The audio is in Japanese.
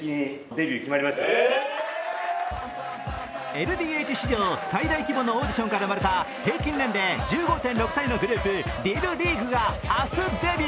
ＬＤＨ史上最大規模のオーディショから生まれた平均年齢１５．６歳のグループ、ＬＩＬＬＥＡＧＵＥが明日デビュー。